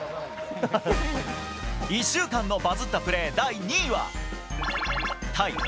１週間のバズったプレー第２位は○○ＶＳ